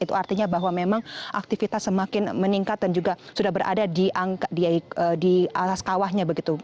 itu artinya bahwa memang aktivitas semakin meningkat dan juga sudah berada di atas kawahnya begitu